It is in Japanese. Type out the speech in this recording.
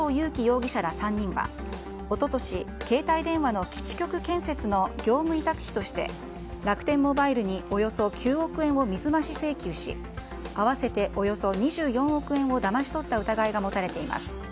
容疑者ら３人は一昨年、携帯電話の基地局建設の業務委託費として楽天モバイルにおよそ９億円を水増し請求し合わせておよそ２４億円をだまし取った疑いが持たれています。